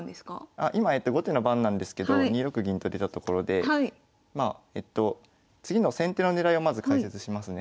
あ今後手の番なんですけど２六銀と出たところでまあえっと次の先手の狙いをまず解説しますね。